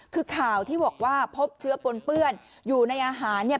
คือข่าวที่บอกว่าพบเชื้อปนเปื้อนอยู่ในอาหารเนี่ย